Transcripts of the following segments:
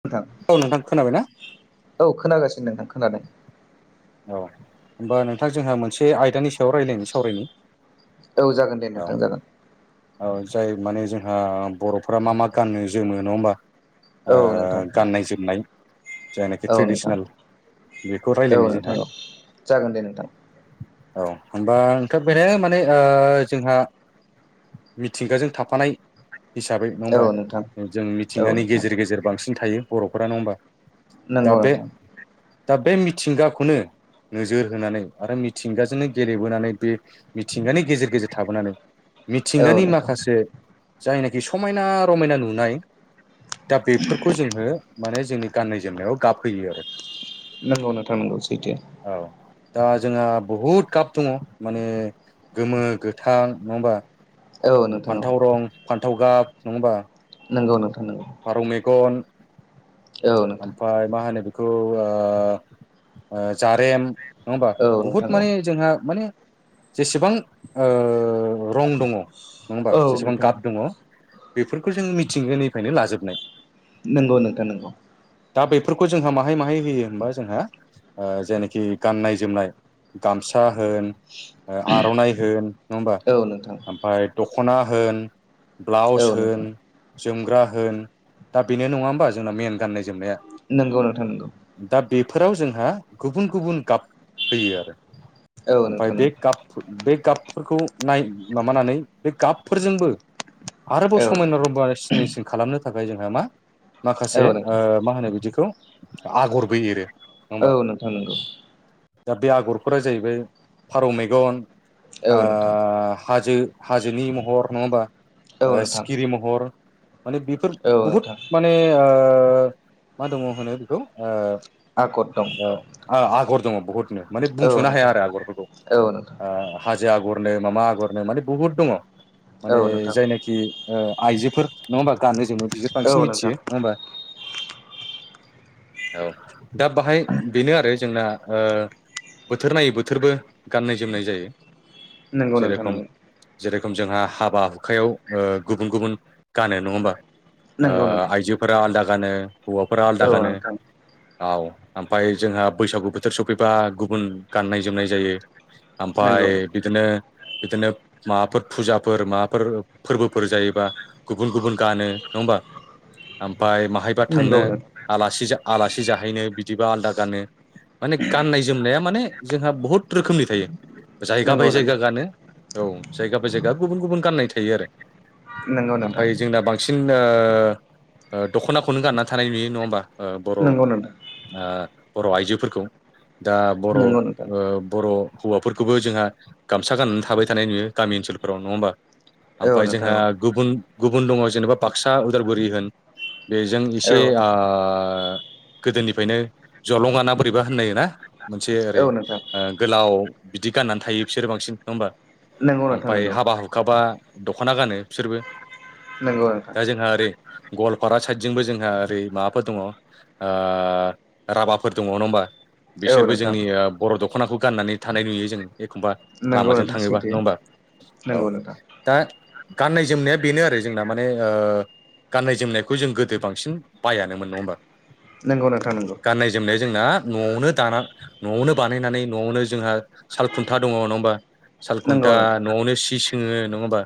नोंथां औ नोंथां खोनाबायना औ खोनागासिनो नोंथां खोनादों। औ होमबा नोंथां जोंहा मोनसे आयदानि सायाव रायलायनि सावरायनि। औ जागोन दे औ नोंथां जागोन। औ जाय माने जोंहा बर'फ्रा मा मा गानो जोमो नङा होमबा? औ ओ नोंथां गाननाय-जोमनाय। जायनाखि औ नोंथां ट्रेडिसनेल बेखौ औ रायलायनि जोंहा। नोंथां जागोन दे नोंथां। औ होमबा नोंथां बेरैहाय माने ओ जोंहा मिथिंगाजों थाफानाय हिसाबै नङा औ नोंथां होमबा जों औ मिथिंगानि नोंथां गेजेर गेजेर बांसिन थायो बर'फोरा नङा होमबा। दा नोंगौ बे नोंथां। दा बे मिथिंगाखौनो नोजोर होनानै आरो मिथिंगाजोंनो गेलेबोनानै बे मिथिंगानि गेजेर गेजेर थाबोनानै। औ मिथिंगानि नोंथां माखासे जायनाखि समायना-रमायना नुनाय। दा बेफोरखौ जोङो माने जोंनि गाननाय-जोमनायाव गाबहोयो आरो। नंगौ नोंथां नोंगौ सैथो। औ। दा जोंहा बहुद गाब दङ माने गोमो गोथां नङा होमबा? औ नोंथां औ फान्थाव रं फान्थाव गाब नङा होमबा? नंगौ नोंथां नंगौ फारौ मेगन औ नोंथां ओमफाय मा होनो बेखौ ओ जारेम नङा होमबा औ नोंथां बुहुत माने जोंहा माने जेसेबां ओ रं दङ' नङा होमबा औ जेसेबां नोंथां गाब दङ बेफोरखौ जों मिथिंगानिफ्रायनो लाजोबनाय। नोंगौ नोंथां नोंगौ। दा बेफोरखौ जोंहा माहाय माहाय होयो होमबा जोंहा ओ जेनाखि गाननाय-जोमनाय गामसा होन आर'नाइ होन नङा होमबा औ नोंथां ओमफाय दख'ना होन औ ब्लाउस होन नोंथां जोमग्रा होन दा बेनो नङा होमबा जोंना मेन गाननाय-जोमनाया। नोंगौ नोंथां नोंगौ। बेफोराव जोंहा गुबुन गुबुन गाब होयो आरो औ ओमफाय नोंथां बे नंगौ गाप फुर गाप फोरखौ नाय माबानानै बे गाबफोरजोंबो आरोबाव औ समायना नोंथां रबा सिनायसिम खालामनो थाखाय जोंहा मा माखासे औ नोंथां ओ मा होनो बिदिखौ आगरबो एरो। होमबा औ नोंथां नों दा बे आगरफोरा जाहैबाय फारौ मेगन आ औ नोंथां हाजो हाजोनि महर नङा औ होमबा नोंथां सिखिरि महर माने बेफोर औ बहुद नोंथां माने ओ मा दङ होनो बेखौ ओ आगत दं ओ औ आगर दं‌ बुहुद माने औ बुंसनो हाया नोंथां आरो आगर फोरखौ औ नोंथां आं हाजो आगर नो मा मा आगरनो माने बुहुत दङ माने औ नोंथां जायनाखि ओ आइजोफोर नङा होमबा गानो जोमो बिसोर औ बांसिन नोंथां मिथियो नङा होमबा? औ दा बाहाय बेनो आरो जोंना ओ बोथोर नायै बोथोरबो गाननाय जोमनाय जायो। नंगौ नोंथां नंगौ। रोखोम जोंहा हाबा हुखायाव गुबुन गुबुन गानो नङा होमबा? ओ नंगौ नोंथां आइजोफोरा आलदा गानो हौवाफोरा आलदा औ गानो। नोंथां औ ओमफ्राय जोंहा बैसागु बोथोर सफैबा गुबुन गाननाय जोमनाय जायो। नंगौ आमफाय बिदिनो बिदिनो माबाफोर फुजाफोर माबाफोर फोरबोफोर जायोबा गुबुन गुबुन गानो नङा ओमबा? ओमफाय माहायबा नंगौ थांनो नोंथां आलासि-आलासि जाहैनो बिदिबा आलादा गानो माने गाननाय जोमनाया माने जोंहा बहुत रोखोमनि थायो। जायगा बाय नंगौ जायगा गानो औ जायगा बाय जायगा गुबुन गुबुन गाननाय थायो आरो। नोंथां नंगौ नोंथां आमफाय जोंना बांसिन ओ दख'नाखौनो गानना थानाय नुयो नङा ओमबा? ओ बर' नंगौ नोंथां आ बर' आइजोफोरखौ दा बर ओ नंगौ नोंथां बर हौवाफोरखौबो जोंहा गामसा गाननानै थाबाय थानाय नुयो गामि ओनसोलफोराव नङा ओमबा? औ आमफाय नोंथां जोंहा गुबुन गुबुन दङ जेनेबा बाक्सा उदालगुरि होन बेजों औ एसे आ नोंथां गोदोनिफायनो जलंगानाबो बोरैबा होननायोना मोनसे ओरै औ नोंथां ओ गोलाव बिदि गाननानै थायो बिसोरो बांसिन नङा होमबा? नंगौ नोंथां आमफाय नंगौ हाबा हुखाबा दख'ना गानो बिसोरबो। नंगौ नोंथां। दा जोंहा ओरै गवालपारा साइदजोंबो जोंहा ओरै माबाफोर दङ आ राभाफोर दङ नङा ओमबा? औ बिसोरबो नोंथां जोंनि बर' दख'नाखौ गाननानै थानाय नुयो जों। एखमबा नंगौ लामाजों नोंथां थाङोबा नङा सैथो ओमबा औ नंगौ नोंथां दा गाननाय जोमनाया बेनो आरो जोंना माने ओ गाननाय जोमनायखौ जों गोदो बांसिन बायानोमोन नङा ओमबा नंगौ नोंथां नंगौ गाननाय जोमनाय जोंना न'वावनो दाना न'वावनो बानायनानै न'वावनो जोंहा साल खुन्था दङ नङा ओमबा नंगौ सालखुन्था नोंथां न'वावनो सि सोङो नङा होमबा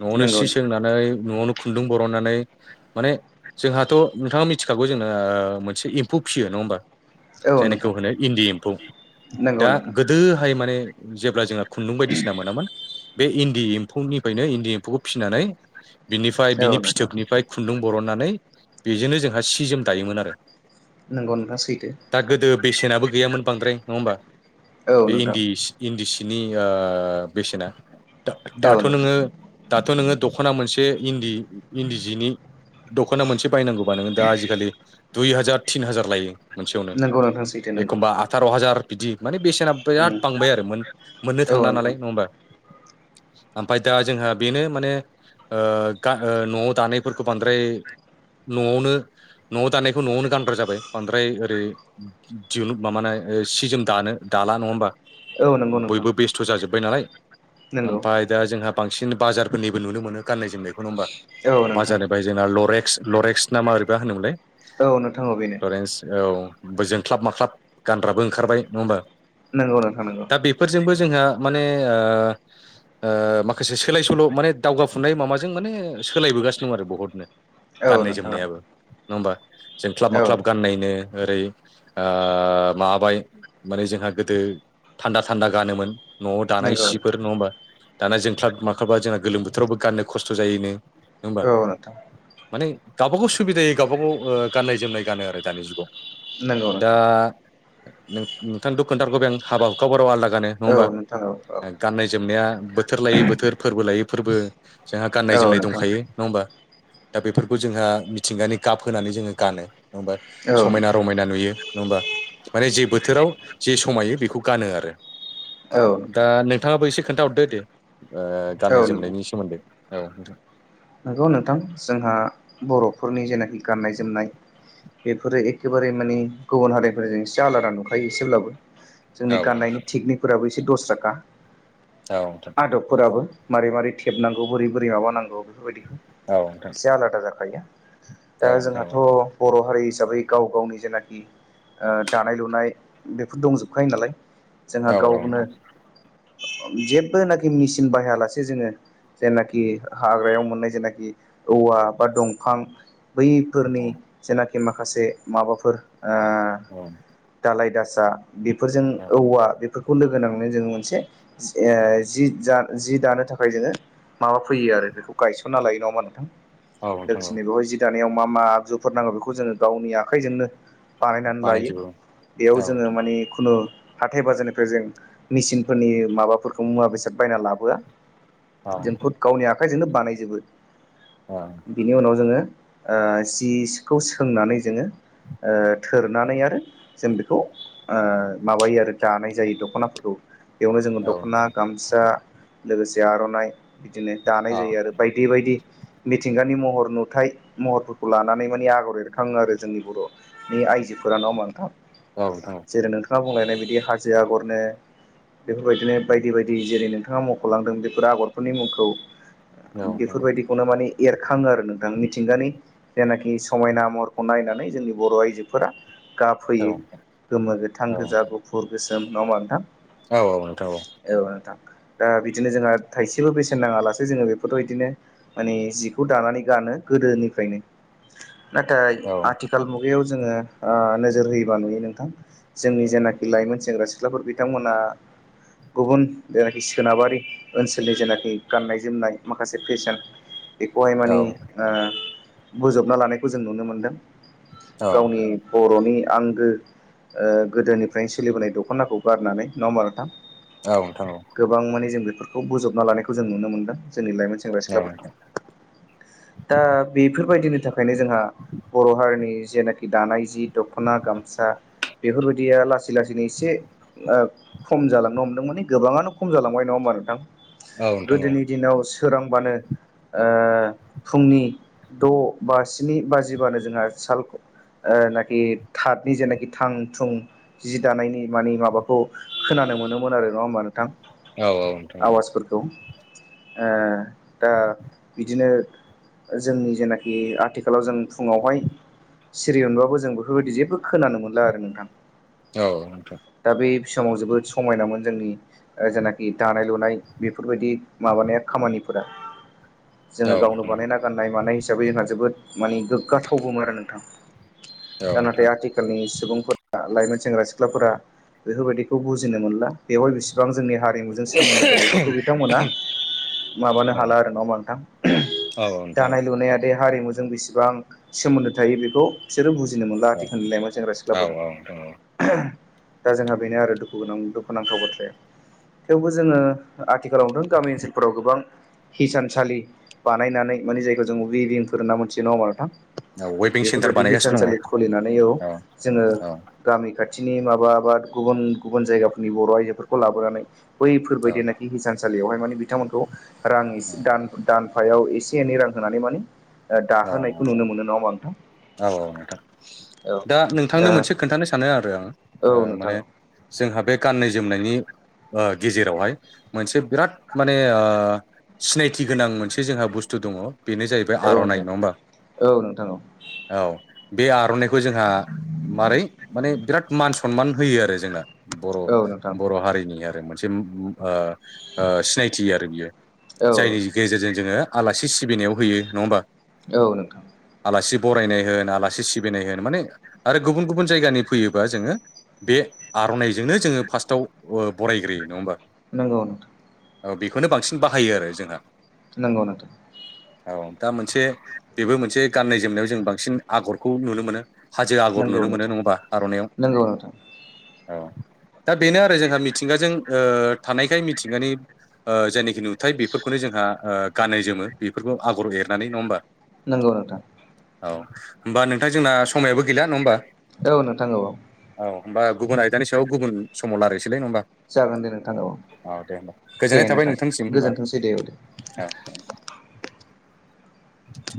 न'वावनो नंगौ सि सोंनानै न'वावनो खुन्दुं बरननानै माने जोंहाथ' नोंथाङा मिथिखागौ जोंनो मोनसे एम्फौ फिसियो न ङा मोसा औ जायनिखौ नोंथां होनो इन्दि एम्फौ नंगौ दा नोंथां गोदोहाय माने जेब्ला जोङा खुन्दुं बायदिसिना मोनामोन बे इन्दि एम्फौनिफ्रायनो इन्दि एम्फौखौ फिसिनानै बिनिफ्राय औ बिनि नोंथां फिथोबनिफ्राय खुन्दुं बरननानै बेजोंनो जोंहा सि जोम दायोमोन आरो नंगौ नोंथां सैथो दा गोदो बेसेनाबो गैयामोन बांद्राय नङा ओमबा औ बे नोंथां इन्दि इन्दि सि बिनि बेसेना औ दाथ' नोंथां नोङो दाथ' नोङो दख'ना मोनसे इन्दि इन्दि जिनि दख'ना मोनसे बायनांगौबा नोङो दा आजिखालि दुइ हाजार तिन हाजार लायो। मोनसेयावनो नंगौ नोंथां सैथो नंगौ एखमबा आथार' हाजार बिदि माने बेसेना बिराद बांबाय आरो मोननो औ थांला नोंथां नालाय नङा ओमबा ओमफ्राय दा जोंहा बेनो माने ओ न'वाव दानायफोरखौ बांद्राय न'वावनो न'वाव दानायखौ न'वावनो गानग्रा जाबाय बांद्राय ओ ओ [unintelligible] माबानाय सि जोम दानो दाला नङामबा औ नंगौ नोंथां बयबो बेस्थ' जाजोब्बाय नालाय नंगौ ओमफ्राय दा जोंहा बांसिन बाजारफोरनिबो नुनो मोनो गानाय जोमनायखौ नङ ओमबा औ नोंथां बाजारनिफ्राय जोंना लरेक्स लरेक्स नामा ओरैबा होनोमोनलाय औ नोंथां अ बेनो बोजों ख्लाब माख्लाब गानग्राबो ओंखारबाय नङा ओमबा नंगौ नोंथां नंगौ। जोंहा माने ओ माखासे सोलाय सोल' माने दावगाफुनाय माबाजों माने सोलायबोगासिनो दं आरो बहुतनो औ गाननाय नोंथां जोमनायाबो नङा होमबा जोंख्लाब औ माख्लाब गाननाय नो ओरै माबाबाय माने जोंहा गोदो थान्दा थान्दा गानोमोन न'आव दानाय नंगौ सिफोर नङा होमबा दाना जोंख्लाब माख्लाबा जोंना गोलोम बोथोरावबो गाननो खस्थ' जायोनो नङा होमबा औ नोंथां माने गावबागाव सुबिदायै गावबा गाव गाननाय जोमनाय गानो आरो दानि जुगाव नांगौ नोंथां नोंथां थ खोन्था बोबाय आं बे हाबा हुखाब बाराव आलदा गानो नङा औ होमबा नोंथां औ औ गाननाय जोमनाया बोथोर लायै बोथोर फोरबो लायै फोरबो जोंहा गाननाय औ जोमनाय नोंथां दंखायो नङा होमबा दा बेफोरखौ जोंहा मिथिंगानि गाब होनानै जोङो गानो नङा होनबा औ समायना रमायना नुयो नङा होमबा माने जे बोथोराव जे समायो बेखौ गानो आरो दा नोंथां नोंथाङाबो एसे खोन्थाहरदो दे गाननाय औ नोंथां जोमनायनि सोमोन्दै औ नोंथां नंगौ नोंथां जोंहा बर'फोरनि जेनाखि गाननाय जोमनाय बेफोरो एखेबारे माने गुबुन हारिफोरजों एसे आलादा नुखायो एसेब्लाबो जोंनि औ गाननायनि टेकनिकफोराबो एसे दसारा खा औ नोंथां आदबफोराबो मारै मारै थेबनांगौ बोरै बोरै मा नांगौ बेफोर औ नोंथां एसे आलादा जाखायो औ दा नोंथां औ जोंहाथ' बर' हारि हिसाबै गाव गावनि जेनाखि दानाय लुनाय बेफोर दंजोबखायो नालाय जोंहा औ औ गावनो नोंथां जेबोनाखि मेचिन बाहायालासे जोङो जायनाखि हाग्रायाव मोननाय जेनाखि औवा बा दंफां औ बैफोरनिना माखासे माबाफोर औ दालाय दासा बेफोरजों औ औवा बे बेफोरखौ लोगो नांनानै जोङो मोनसे जि जि दानो थाखाय जोङो माबा फैयो आरो बेखौ गायसनना लायो नङा होनबा औ नोंथां नोंथां औ दोखिनि बेहाय जि दानो। मा मा आगजुफोर नांगौ बेखौ जों गावनि आखायजोंनो। बानायनानै लायो बानायजोबो बेयाव औ जोङो नोंथां माने खुनु हाथाय बाजारनिफ्राय जों मेसिनफोरनि माबाफोरखौ मुवा बेसाद बायना लाबोआ। औ जोंखौ गावनि आखाइजोंनो बानायजोबो बिनि उनाव जोङो। जिखौ सोंनानै जोङो। थोरनानै आरो जों बेखौ माबायो आरो जानाय जायो दख'नाफोरखौ। बेयावनो जोङो औ दख'ना औ गामसा लोगोसे आर'नाइ बिदिनो दानाय औ जायो आरो बायदि। बिदि मिथिंगा। दानि महर नुथाइ महरफोरखौ लानानै माने आगर एरखाङो आरो जोंनि बर'नि आइजोफोरा नाडा़ होनबा नोंथां। औ नोंथां जेरै नोंथाङा बुंलायनाय बिदि हाजो आगरनो बेफोरबायदिनो बायदि बायदि जेरै नोंथाङा मख'लांदों बेफोरो आगरफोरनि मुंखौ। औ बेफोरबायदिखौनो माने एरखाङो आरो नोंथां मिथिंगानि जेनाखि समायना महरखौ नायनानै जोंनि बर' आइजोफोरा गाब औ होयो गोमो गोथां औ गोजा गुफुर गोसोम नङा होनबा नोंथां औ औ नोंथां ओ औ नोंथां दा बिदिनो जोंहा थाइसेबो बेसेन नाङालासो जोङो बे बेखौथ' बिदिनो माने जिखौ दानानै गानो गोदोनिफ्रायनो। नाथाय औ आथिखाल मुगायाव जोङो नोजोर होयोबा नुयो नोंथां जोंनि जेनाखि लाइमोन सेंग्रा सिख्लाफोर बिथांमोना गुबुन जेनाखि सोनाबारि ओनसोलनि जेनाखि गाननाय जोमनाय माखासे फेसन बेखौहाय औ मानिे बोजबना लानायखौ जों नुनो मोनदों। गावनि बर'नि आंगो गोदोनिफ्रायनो सोलिबोनाय दख'नाखौ गारनानै नडा होनबा' नोंथां। औ नोंथां औ नोंथां औ गोबां माने जों बेफोरखौ बोजबना लानायखौ जों नुनो मोनदों। जोंनि लाइमोन सेंग्रा सिख्लाफोरखौ दा बेफोरबायदिनि थाखायनो जोंहा बर' हारिनि जेनाखि दानाय जि दख'ना गामसा। बेफोरबायदिया लासै लासैनो एसे खम जालांनो हमदों माने गोबाङानो खम जालांबाय नङा हो बां नोंथां औ नोंथां [unintelligible] सोरांबानो फुंनि द' बा स्नि बाजिबानो जोंहा साल नाखि थादनि जेनाखि थां थुं जि दानायनि मानि माबाखौ खोना नो मोनोमोन आरो नङा होमबा नोंथां औ नोंथां औ नोंथां औ नोंथां आवाजफोरखौ दा बिदिनो जोंनि जेनाखि आथिखालाव जों फुङावहाय सिरि मोनबाबो जों बेफोरबायदि जेबो खोनानो मोनला आरो नोंथां। औ नोंथां दा बे समाव जोबोद समायनामोन जोंनि जेनाखि दानाय लुनाय बेफोरबायदि माबानाया। खामानिफोरा जोङो गावनो बानायना गाननाय मानाय हिसाबै जोंहा जोबोद। माने गोग्गाथावबोमोन आरो नोंथां दानाथ' आथिखालनि सुबुंफोरा लाइमोन। सेंग्रा सिख्लाफोरा बेफोरबायदिखौ बुजिनो मोनला बेवाय बिसि बां जोंनि हारिमुजों सोमोन्दो दं बेफोरखौ बिथांमोना माबानो हाला आरो ना नोंथां औ दानाय लुनाया। बे हारिमुजों बेसेबां सोमोन्दो थायो बेखौ बिसोर बुजि नो मोनला आथिखालनि लाइमोन सेंग्रा सिख्लाफोर नोंथां औ दा जोंहा बेनो आरो दुखुनां दुखुनांथाव बाथ्राया। थेवबो जोङो आथिखालाव नुदों गामि ओनसोलफोराव गोबां हिसानसालि बानायनानै माने जायखौ जों उइबिंफोर होनना मोनथियो नङा होमबा नोंथां। वेबिं सेन्टार बेफोरबायदि बानायगासिनो हिसानसालि दङ खुलिनानै औ जोङो औ औ गामि खाथि खाथिनि माबा [unintelligible] गुबुन गुबुन जायगाफोरनि बर' आइजोफोरखौ लाबोनानै औ बैफोरबायदिनाखि हिसानसालि। लियावहाय माने बिथांमोनखौ रां इसे दान-दानफायाव एसे एनै रां होनानै माने ओ औ दाहोनायखौ नुनो मोनो नङा होमबा नोंथां औ औ नोंथां औ दा नोंथांनो मोनसे खोन्थानो सानो आरो आं ओ नोंथां माने औ जोंहा बे गाननाय जोमनायनि गेजेरावहाय मोनसे बिराद माने सिनायथि गोनां मोनसे जोंहा बुस्थु दङ बेनो जाहैबाय आर'नाइ नङा होमबा औ नोंथां औ औ बे आर'नाइखौ जोंहा मारै माने बिराद मान सनमान होयो आरो जोंना बर' औ नोंथां औ नोंथां बर' हारिनि आरो मोनसे ओ ओ सिनायथि आरो बियो औ जायनि गेजेरजों जोङो आलासि सिबिनायाव होयो नङा होमबा औ नोंथां आलासि बरायनाय होन आलासि सिबिनाय होन माने आरो गुबुन गुबुन जायगानि फैयोबा जोङो बे आर'नाइजोंनो जोङो फार्स्टआव बरायग्रोयो नङा होमबा नोंगौ औ बेखौनो बांसिन बाहायो आरो जोंहा नोंगौ नोंथां औ दा मोनसे बेबो मोनसे गाननाय जोमनायाव जों बांसिन आगरखौ नुनो मोनो हाजो आगर नंगौ नुनो मोनो नोंथां नङाबा आर'नायाव नंगौ नोंथां औ दा बेनो आरो जोंहा मिथिंगाजों ओ थानायखाय मिथिंगानि ओ जेनोखि नुथाय बेफोरखौनो जोंहा ओ गानै जोमो बेफोरखौ आगर' एरनानै नङा होमबा नोंगौ नोंथां औ होमबा नोंथां जोंना समायाबो गैला नङा होमबा औ नोंथां औ औ औ होमबा गुबुन आयदानि सायाव गुबुन समाव लारायसैलाय नङा होमबा जागोन दे नोंथां औ दे होमबा दे गोजोननाय थाबाय नोंथां नोंथांनिसिम होमबा औ गोजोनथोंसै दे दे दे [inaudible]